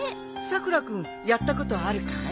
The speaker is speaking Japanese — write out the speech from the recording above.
さくら君やったことあるかい？